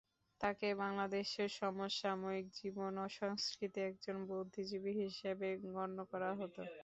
তাকে বাংলাদেশের সমসাময়িক জীবন ও সংস্কৃতির একজন বুদ্ধিজীবী হিসেবে গণ্য করা হত।